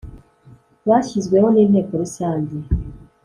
bashyizweho n Inteko rUsangE